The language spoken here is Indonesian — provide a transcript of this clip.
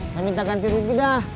saya minta ganti rugi dah